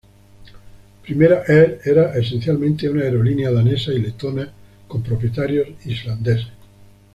Primera Air era esencialmente una aerolínea danesa y letona con propietarios islandeses.